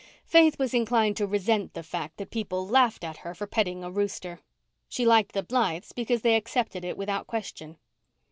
Faith was inclined to resent the fact that people laughed at her for petting a rooster. She liked the Blythes because they accepted it without question.